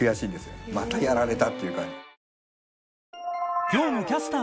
またやられたっていう。